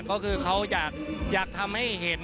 ก็คือเขาอยากทำให้เห็น